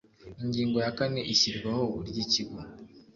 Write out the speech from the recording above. Ingingo ya kane Ishyirwaho ry Ikigo